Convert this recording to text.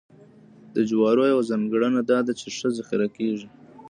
د جوارو یوه ځانګړنه دا ده چې ښه ذخیره کېږي.